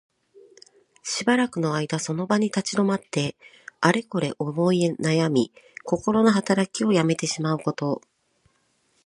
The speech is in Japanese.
しばらくの間その場に立ち止まって、あれこれ思いなやみ、こころのはたらきをやめてしまうこと。